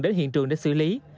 đến hiện trường để xử lý